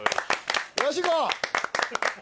よしいこう！